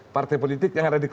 partai politik yang ada di